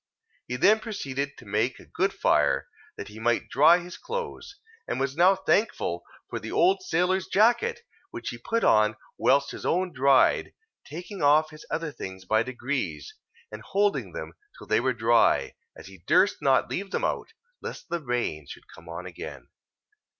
He then proceeded to make a good fire, that he might dry his clothes; and was now thankful for the old sailor's jacket, which he put on whilst his own dried, taking off his other things by degrees, and holding them till they were dry, as he durst not leave them out, lest the rain should come on again.